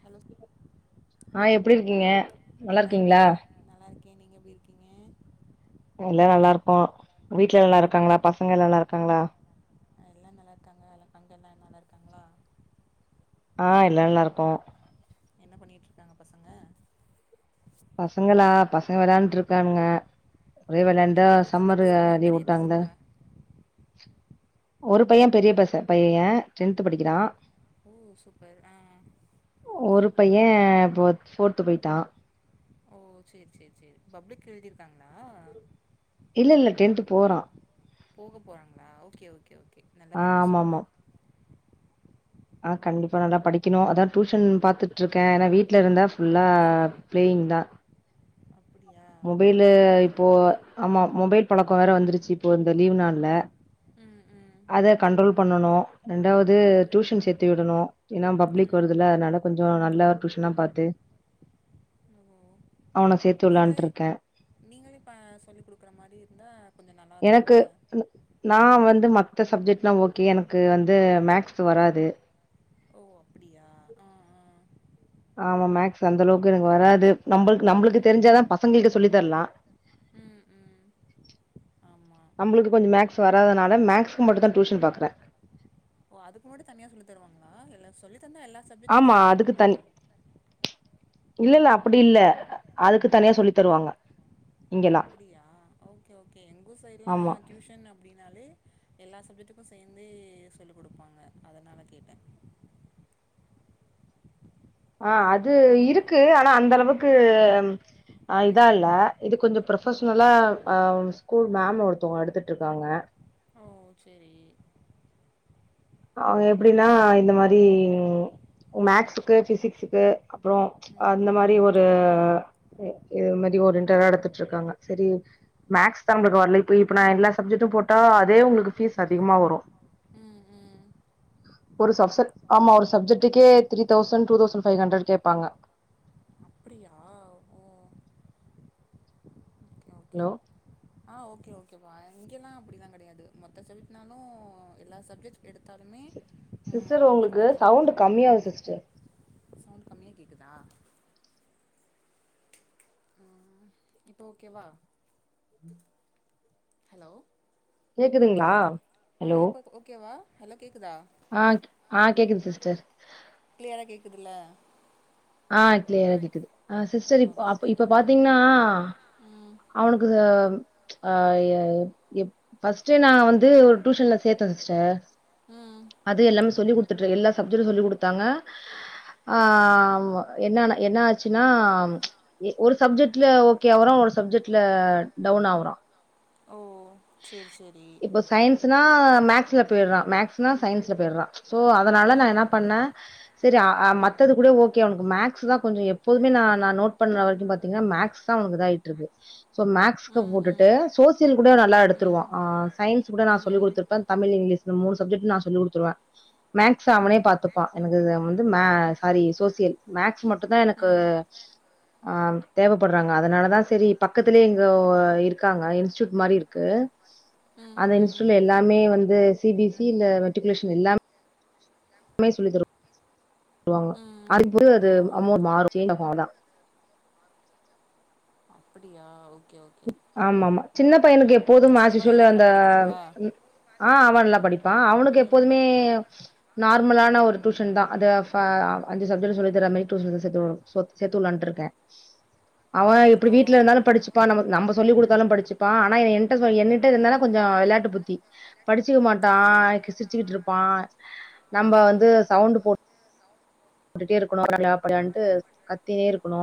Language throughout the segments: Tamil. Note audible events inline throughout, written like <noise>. ஹலோ ஆ எப்டி இருக்கீங்க நல்லா இருக்கே நல்லாருக்கே நீங்க எப்டி இருக்கீங்க எல்லா நல்லாருக்கோ வீட்ல நல்லாருக்காங்களா பசங்க நல்லாருக்காங்களா அ எல்லா நல்லாருக்காங்க எல்லா அங்க எல்லா நல்லா இருக்காங்ளா ஆ எல்லா நல்லாருக்கோ என்ன பண்ணிட்ருக்காங்க பசங்க பசங்களா பசங்க வெளையான்ட்ருக்கானுங்க ஒரே என்ன வெலையாண்டா படிக்கிறாங்க சின்ன சம்மர் அ பசங்களா லீவு பெரிய வுட்டாங்ள பசங்களா ஒரு பைய பெரிய பச பைய டென்த் படிக்கிறா ஓ சூப்பர் ஆ ஒரு பைய போ ஃபோர்த்து போய்ட்டா ஓ செரி செரி செரி பப்ளிக் எழுதிருக்காங்ளா இல்ல இல்ல டென்த்து போறா போக போறாங்ளா ஓகே ஓகே ஓகே நல்லா ஆ படிக்க ஆமா சொல்லுங்க ஆமா ஆ கன்டிப்பா நல்லா படிக்கனு அதா டியூஷன் பாத்துட்ருக்க ஏனா வீட்ல இருந்தா ஃபுல்லா பிளேயிங் தா அப்பிடியா மொபைலு இப்போ ஆமா மொபைல் பழக்கோ வேற வந்துருச்சி இப்போ இந்த லீவ் நாள்ள ம் ம் அத கண்ட்ரோல் பண்ணணு ரெண்டாவது ம் டியூஷன் சேத்து விடணு ஏனா பப்ளிக் ம் வருதுல்ல அதனால கொஞ்சோ நல்ல டியூஷனா பாத்து அவன சேத்தி வுலான் தே நீங்களே இப்போ சொல்லி குடுக்குறே மாரி இருந்தா கொஞ்சோ நல்லா எனக்கு இருக்குல்லே நா வந்து மத்த சப்ஜெக்ட்லா ஓ கே எனக்கு வந்து மேக்ஸ் வராது ஓ அப்பிடியா ஆ ஆ ஆமா மேக்ஸ் அந்த அளவுக்கு எனக்கு வராது நம்பளுக் நம்மளுக்கு ம் தெரிஞ்சாதா பசங்களுக்கு சொல்லி தரலா ம் ம் ஆமா நம்ளுக்கு கொஞ்சோ மேக்ஸ் வரதனால மேக்ஸ்க்கு மட்டு தா டியூஷன் பாக்கறே ஓ அதுக்கு மட்டு தனியா சொல்லி தருவாங்களா இல்ல சொல்லித் தந்தா எல்லா சப்ஜெக்டுக்கு தானே சொல்லி குடுப்பாங்க இல்லல்லே அப்பிடி இல்லே ம் இங்கெல்லா அப்பிடியா ஓ கே ஓ கே எங்கூர் சைட்டு லா ஆமா டியூஷன் அப்பிடனாலே எல்லா சப்ஜெக்டுக்கு சேந்தே சொல்லிக் குடுப்பாங்கே அதுனால கேட்டே ஆ அது இருக்கு ஆனா அந்த அளவுக்கு ஆ இதா ம் இல்ல இது கொஞ்சோ பு ரொஃபஷனல்லா ஆ ஸ்கூல் மேம் ஒருத்தவங்கே எடுத்துட்டிருக்காங்கே ஒ செரி அவங்க எப்பிடின்னா இந்தே மாரி மேக்ஸுக்கு பிசிக்ஸுக்கு அப்புறோ ம் அந்த மாரி ஒரு இது மாரி ஓரியண்டட் டா எடுத்துட்டு இருக்காங்கே செரி மேக்ஸ் தா உங்களுக்கு வரலே இப்போ இப்போ நா எல்லா சப்ஜெக்டும் போட்டா அதே உங்களுக்கு ஃபீஸ் அதிகமா வரு ம் ம் ஒரு சப்சட் ஆமா ஒரு சப்ஜெக்டக்கே three thousand two thousand five hundred கேபாங்கே அப்பிடியா ஓ ஓகே ஓகே ஹலோ ஆ ஓ கே ஓ கேப்பா இங்கெல்லா அப்டில்லா கெடையாது மொத்த சப்ஜெக்ட்னாலு எல்லா சப்ஜெக்ட் எடுத்தாலுமே ஆ சிஸ்டர் உங்களுக்கு குறிப்பிட்டா அமௌண்ட்தா சவுண்ட் கம்மியாகுது சிஸ்டர் சவுண்ட் கம்மியா கேக்குதா இப்போ ஓ கேவா ஹலோ கேக்குதுங்களா ஆ ஹலோ இப்போ ஓ கேவா நல்லா கேக்குதா ஆ ஆ கேக்குது சிஸ்டர் கிளியரா கேக்குதுல்லே ஆ கிளியரா கேக்குது ஆ சிஸ்டர் இப்போ ஓகே அ ஓகே இப்போ பாத்தீங்கன்னா ம் அவனுக்கு அ எப் ஃப்ஸ்ட்டு நா வந்து ஒரு டியூஷன்லே சேத்தே சிஸ்டர் ம் அது எல்லாமே சொல்லி குடு த்துட்டு எல்லா சப்ஜெடு சொல்லி குடுத்தாங்க ஆ என்ன னா என்னாச்சு னா எ ஒரு சப்ஜெக்ட்ல ஓகே ஆவுற ஒரு சப்ஜெக்ட்ல டவுன் ஆவுறா ஓ செரி சரி இப்ப சயின்ஸ்னா மேக்ஸ்ல போயிடறா மேக்ஸ்னா சயின்ஸ்ல போயிடறா சோ அதனால நா ம் என்னாப் பண்ணே செரி அ அ மத்தது கூட ஓகே அவனுக்கு மேக்ஸ் தா கொஞ்ச எப்போதுமே நா நா நோட் பண்ணற வரைக்கு பாத்தீங்கன்னா மேக்ஸ் தா அவனுக்கு இதாயிட்டு இருக்கு சோ மேக்ஸ்க்கு ம் போட்டுட்டு ம் சோசியல் கூட நல்லா எடுத்துருவோ ம் ஆ சயின்ஸ் கூட நா சொல்லிக் ம் குடுத்திருப்பே தமிழ் இங்கிலீஷ் இந்த மூணு சப்ஜெக்ட் நா சொல்லி குடுத்துருவே மேக்ஸ் ம் அவனே ம் பாத்துப்பா எனக்கு வந்து மே சாரி சோசியல் மேக்ஸ் மட்டும்தா எனக்கு ம் ஆ தேவைப்படுறாங்க அதனால தா செரி பக்கத்திலயே இங்க இருக்காங்க இன்ஸ்டூட் மாரி இருக் க்கு ம் அந்த ம் இன்ஸூட்ல எல்லாமே வந்து சிபிஎஸ்ஸி இல்ல மெட்ரிகுலேஷன் எல்லாமே உண்மய சொல்லி தரு ம் அத்து ஓ அது <unintelligible> அப்படியா ஓகே ஓகே ஆமாமா சின்ன பையனுக்கு எப்போதும் சின்ன பைய ஆஸ்யூஸ்லா நல்லா அந்த படிக்கிறாங்களா ஆ அவெல்லா படிப்பா அவனுக்கு ம் எப்போதுமே நார்மலான ஒரு டியூஸன் தா அது அஞ்சு சப்ஜெக்ட் சொல்லி தர மாரி டியூஷன் தா சேத்து சேத்துவுட்லான்ட்டு இருக்கே அவ எப்டி வீட்டுல ஓ இருந்தாலு படிச்சு இப்ப நம நம்ம சொல்லி கொடுத்தாலு படிச்சுப்பா ஆனா என்ட் என்னிட்ட இருந்தாலு கொஞ்ச வெளாட்டு புத்தி படிச்சுக்க மாட்டா ஓ கிசிரிச்சுக்கிட் ருப்பா நம்ம ம் வந்து சவுண்ட் போட் பட்டுட்டே இருக்கணும் பர்ரா பர்ரா னு கத்தினே இருக்கணு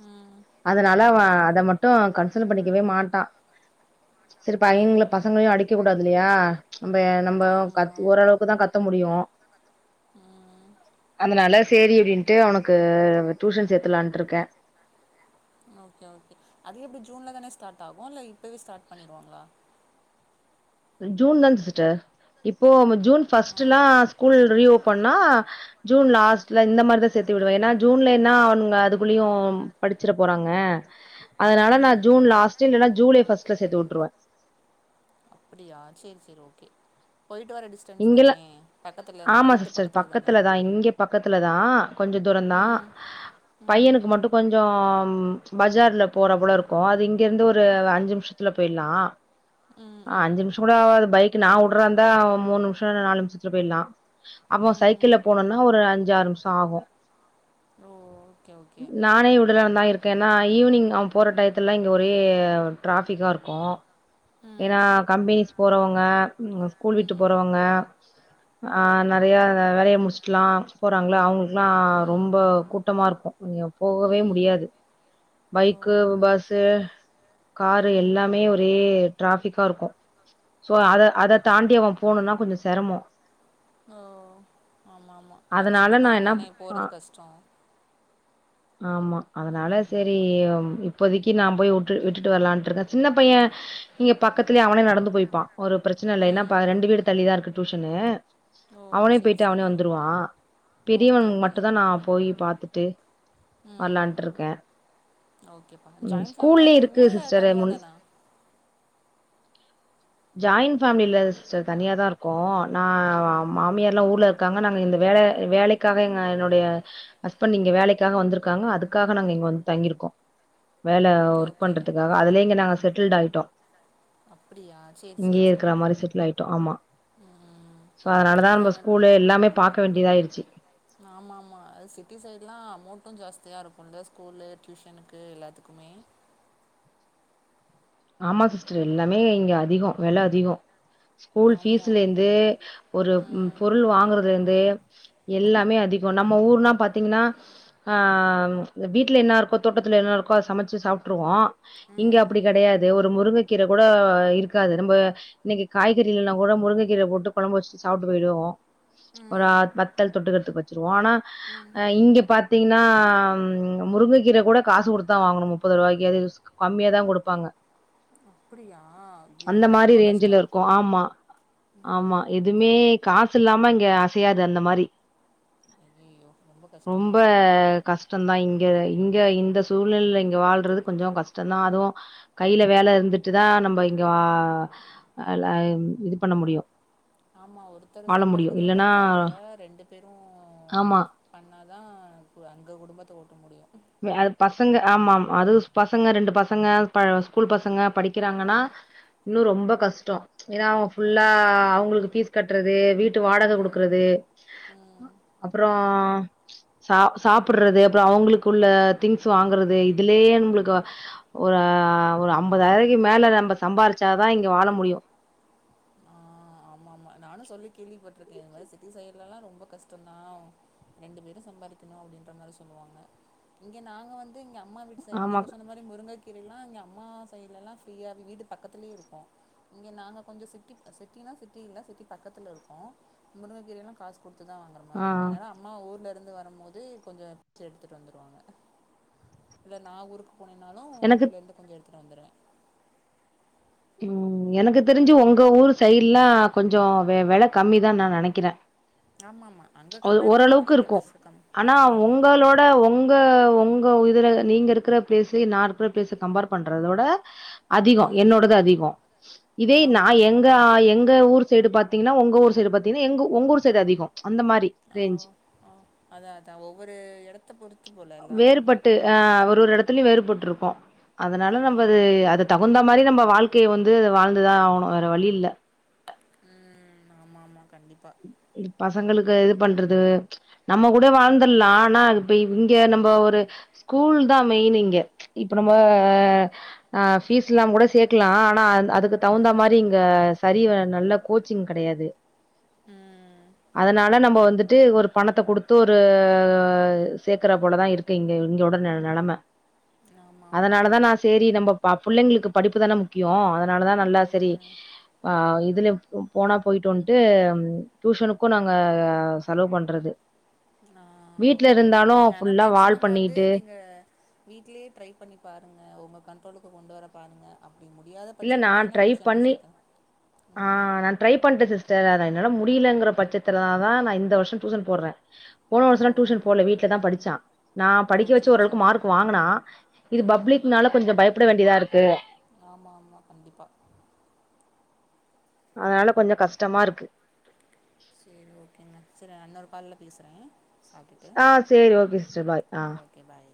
ம் அதனால அவ ஓ அத மட்டு கன்சொல் பண்ணிக்கவே மாட்டா சில பையன்கள ம் பசங்களையு அடிக்க கூடாது இல்லையா நம்ம நம்ம ஆமா கத் ஓரளவுக்கு தா கத்த முடியு ம் அதனால சரி அப்டின்ட்டு அவனுக்கு டியூசன் சேத்துட்லான்ட்ருக்க ஓகே ஓகே அது எப்டி ஜூன் தானே ஸ்டாட் ஆகு இல்ல இப்பவே ஸ்டாட் பண்ணிட்வாங்ளா ஜூன் தான் சிஸ்டர் இப்போ ஜூன்பஸ்ட்டுனா ஸ்கூல் ரீ ஓபன்னா ஜூன் லாஸ்ட்ல இந்த மாரிதா சேத்து விடுவே ஏன்னா ஜூன்ல என்னா அவங்க அதுக்குள்ளயு படிச்சிர போறாங்க ஆ அதனால நா ம் ஜூன் லாஸ்ட்ல இல்லன்னா ஜூலை பஸ்ட்ல சேத்து வுட்ருவே அப்படியா சேர் சேர் ஓகே போயிட்டு வர டிஸ்ட இங்கல்ல ஆமா சிஸ்டர் பக்கத்துல இங்க பக்கத்துல தா கொஞ்ச தூரந்தா ம் ம் பையனுக்கு மட்டு கொஞ்ச பஜார்ல போற போல இருக்கு அது இங்கேர்ந்து ஒரு அஞ்சு நிமிஷத்தில போயிற்லா ம் அஞ்சு ம் நிமிஷங் கூட ஆகாது பைக் நா வுட்றேந்தா மூண் நிம்ஸ்ஸோ இல்ல நாலு நிமிசத்துல போயிற்லா அப்ப ம் சைக்கிள்ல போனும்னா ஒரு அஞ்சாறு நிமிஷொ ஆகு ஓ ஓகே ஓகே நானே விடலாந் தா இருக் ஓகேன்னா ஈவினிங் அவ போற டையத்துலா இங்க ஒரே ட்ராஃபிக்கா இருக்கு ஏன்னா ம் கம்பெனிஸ் போறவங்க ஸ்கூல் விட்டு ம் போறவங்க ஆ நெறைய வேலய முடிச்சுட்டல்லா போறாங்ளா அவங்களுக்கெல்லா ம் ரொம்ப கூட்டமா ருக்கு நீங்க போகவே ம் முடியாது ஓ பைக்கு பஸ்சு காரு ம் எல்லாமே ஒரே டிராபிக்கா இருக்கு சோ அத அத தாண்டி அவ போணுன்னா கொஞ்ச செரமொ ஓ ஆமாமா சின்ன அதனால நா பைய என்ன தானே ஆ போறது கஷ்டொ ஆமா அதனால ம் சரி இப்போதைக்கு நா போய் வுட்டு விட்டுட்டு வரலான்ட் ருக்கே சின்ன பைய இங்க பக்கத்துலயே அவனே நடந்து போய்ப்பா ஒரு பிரச்சன இல்ல ஏன்னா ம் ஃபிரெண்டு வீடு தள்ளிதா இருக்கு டியூஷனு ஓ அவனே சேரி போய்ட்டு அவனே சேரி வந்துருவா பெரியவ ஓகே ஓகே மட்டுந்தா நா போய் பாத்துட்டு ம் ஓகேப்பா ஜாயிண்ட் ஃபேமிலியா ஸ்கூல்லயே இருக்கு இருக்கீங்களா இல்ல சிஸ்டர் தனியா முன் தானா ஜாய்ன் ஃபேமிலில ஸ்டர் தனியாதா ர்க்கொ நா ஓ மாமியார்ல்லா ஊர்ல ருக்காங்க நாங்க இந்த வேல வேலக் க்காவ எங்க என்னுடைய ஹஸ்பண்ட் இங்க வேலக்காக வந்திருக்காங்க அதுக்காக நாங்க இங்க வந்து தங்கிருக்கோ வேல ஓகே ஒர்க் ஓகே பண்றதுக்காக ம் அதுலயெ இங்க நாங்க செட்டில்ட் ஆயிட்டோ அப்படியா சேரி சேரி இங்கயே சேரி இருக்ற மாரி செட்டில் ஆய்ட்டோ ஆமா ம் சோ அதனாலதா இல்ல இந்த அங்க ஸ்கூலு எல்லாமே பாக்க வேண்டியதாயிருச்சு ஆமா ஆமா அது சிட்டி சைட்லா அமௌன்டு ஜாஸ்தியா இருக்குல்ல ஸ்கூலு டியூஷனுக்கு எல்லாத்துக்குமே ஆமா சிஸ்டர் எல்லாமே இங்க அதிகோ வெல அதிகோ ஸ்கூல் ஆமா ஃபீஸ்லே இரு ந்து ஒரு ம் பொருள் வாங்குறதுல இந்து எல்லாமே அதிகோ நம்ம ஊர்னா பாத்தீங்ன்னா ஆ வீட்ல என்னா இருக்கோ தோட்டத்துல என்னா இருக்கோ அத சமைச்சு சாப்ட்ருவோ இங்க ம் அப்டி கெடையாது ஒரு முருங்க கீரக்கூட இருக்காது நம்ப இன்னிக்கு காய்கறி இல்லனா கூட முருங்க கீர போட்டு கொழம்ப வச்சுட்டு சாப்ட்டு போய்ருவோ ஒரு அ ம் வத்தள் தொட்டுக்றதுக்கு வச்சிருவோ ஆனா ம் அ இங்க பாத்தீங்கன்னா முருங்கைக்கீரை காசு கொடுத்தா வாங்கணு முப்பது ரூவாக்கு கம்மியாதா குடுப்பாங்க அப்டியா அந்த மாரி ரேஞ்ல இருக்கு ஆமா ஆமா ம் எதுமே காசு இல்லாம இங்க அசையாது அந்த மாரி ம் ரொம்ப கஷ் டந்தா இங்க இங்க இந்த சூழ்நெலல இங்க வாழ்றது கொஞ்ச கஷ்டந்தா அதுவு கைய்ல வேல இருந்துட்டுதா நம்ப இங்க அ ல அ இது பண்ண முடியு ஆமா ஒருத்தரு வாழ முடியு சம்பாதிக்கிறது இல்லன்னா பத்தாதுல்ல ரெண்டு பேரு ஆமா பண்ணாதா அங்க குடும்பத்த ஓட்ட முடியு அ பசங்க ஆமாமா அது பசங்க ரெண்டு பசங்க ப ஸ்கூல் பசங்க படிக்கிறாங்கன்னா இன்னு ரொம்ப கஷ்டொ ஏன்னா அவங்க ஆ, ஃபுல்லா அவங்களுக்கு பீஸ் கட்றது வீட்டு வாடக குடுக்றது ம் அப்றோ சா சாப்பிட்றது அப்ற அவங்களுக் குள்ள திங்ஸ் வாங்கறது இதுலயே நம்மளுக்கு ஒரு ஒரு ஐம்பதாயிரக்கு மேல நம்ம சம்பாரிச்சாதா இங்க வாழ முடியு ஆமா ஆமா நானு சொல்லி கேள்விப்பட்ருக்கே இது மாரி சிட்டி சைட்லலா ரொம்ப கஷ்டந்தா ரெண்டு பேரு சம்பாதிக்கணு அப்டின்ற மாரி சொல்லுவாங்க இங்க நாங்க வந்து இங்க அம்மா வீட்டு சைட் ஆமா. நீங்க சொன்ன மாரி முருங்கைக்கீரைலா இங்க அம்மா சைட்லல்லா ஃப்ரீயா வீட்டு பக்கத்லே இருக்கு இங்க நாங்க கொஞ்ச சிட்டி சிட்டினா சிட் டி இல்ல சிட்டி பக்கத்துல இருக்கு முருங்ககீரல்லா காசு குடுத்துதா வாங்ற ஆ மாரி இருக்கு அனால அம்மா ஊர்ல இருந்து வரு போது கொஞ்ச சு எடுத்துட்டு வந்துருவாங்க இல்ல நா ஊருக்கு போனேனாலு எனக்கு ஊர்ல இருந்து கொஞ்ச எடுத்துட்டு வந்துருவே ம் எனக்கு தெரிஞ்சு ஒங்க ஊர் சைடு்லா கொஞ்ச வெல கம்மிதா நா நெனைக்கிறே ஆமாம் ஆமாம் அங்கே கம்பேர் ஓரளவுக்கு பண்ணும்போது இங்கே இருக்கு கஷ்டம் கம் ஆனா ஆமாம் ஆமாம் ஒங்களோ ங்க ஒங்க ஒங்க இதுல நீங்க இருக்கிற ப்ளேஸ் நா இருக்ற ப்ளேஸ் கம்பேர் பண்றதோட அதிக ம் என்னோடது அதிக இதே நா ஆமா எங் அ எங்க ஊர் சைடு பாத்தீங்கன்னா ஒங்க ஊர் சைடு பாத்தீங்கன்னா எங்க ஊ ஒங்கூரு சைடு அதிக அந்த மாரி ஆ ரேஞ்ச் ஆ அதா அதா ஒவ்வொரு எடத்த பொறுத்து போல எல்லாமே ட்டு அ ஒரு ஒரு வேறுபட்டிருக்கோ அதனால நம்மது ம் அது தகுந்த மாரி நம்ம வாழ்க் கே வந்து வாழ்ந்துதா ஆவ்ணு வேற வழி இல்ல ம் ஆமா ஆமா கண்டிப்பா இ பசங்களுக்கு இது பண்றது நம்ம கூட வாழ்ந்துட்லா ஆனா இப்ப இங்க நம்ப ஒரு ஸ்கூல்தா மெயின் இங்க இப்ப நம்ப ஆ ஃபீஸ் இல்லாம கூட சேக்லாம் ஆனா அது அதுக்கு தகுந்தா ம் மாரி இங்க சரி வ நல்ல கோச்சிங் கிடையாது ம் அதனால நம்ம வந்துட்டு ஒரு பணத்த கொடுத்து ஒரு சேக்கற போலதான் இருக் கு இங்க இங்கோட ந நெலம ஆமா ஆமா அதனாலதா நா சேரி நம்ம பா பிள்ளைங்களுக்கு படிப்பு தான முக்கியொ அ தனாலதா நல்லா சரி ம் ஆ இதுல போ போனா போயிட்டு வந்ட்டு டியூஷனுக்கும் நாங்க செலவு பண்றது ஆ வீட்ல ஓகே ஓகே இருந்தாலும் நீங்க ஆனா ஃபுல்லா வால் மேக்சிமம் வந்து பண்ணிட்டு நீங்க வீட்லயே ட்ரை பண்ணி பாருங்க உங்க கண்ட்ரோலுக்கு கொண்டு வர பாருங்கள் அப்டி முடியாத இல்ல பட்சத்துக்கும் நான் வேணா ட்ரை டியூஷன்ல பண்ணி சேத்து ஆ நா ட்ரை பண்றேன் சிஸ்டர் அத என்னால முடியலங்கிற பட்சத்துல தா நா இந்த வருஷம் டியூஷன் போட்றேன் போன ஓ வருஷம்ல டியூஷன் போல வீட்டுல தான் படிச்சான் நா ஓ படிக்க வச்ச சேரி ஓரளவுக்கு சேரி மார்க் சேரி வாங்குனா இது ம் பப்ளிக்னால கொஞ்சம் பயப்பட வேண்டியதா இருக்கு ஆமா ஆமா கண்டிப்பா அதனால கொஞ்சம் கஷ்டமா இருக்கு செரி ஓகேங்கா செர் அன்னொரு கால்ல பேசுறேன் ஆ செரி ஓகே சிஸ்டர் பாய் ஆ ஓகே பாய்